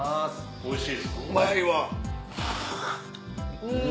おいしい！